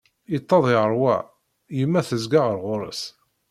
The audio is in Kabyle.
Yeṭṭeḍ yerwa, yemma tezga ɣer ɣur-s.